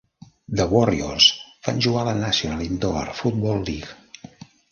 The Warriors van jugar a la National Indoor Football League.